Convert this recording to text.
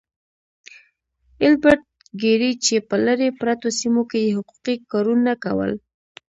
ايلبرټ ګيري چې په لرې پرتو سيمو کې يې حقوقي کارونه کول.